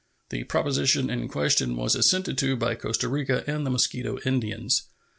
The proposition in question was assented to by Costs Rica and the Mosquito Indians.